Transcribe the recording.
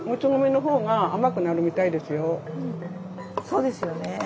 そうですよね。